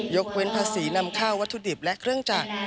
เว้นภาษีนำข้าววัตถุดิบและเครื่องจักร